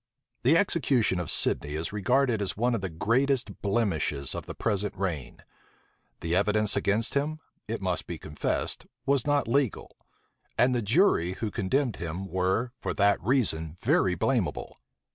The execution of Sidney is regarded as one of the greatest blemishes of the present reign. The evidence against him, it must be confessed, was not legal; and the jury who condemned him were, for that reason, very blamable.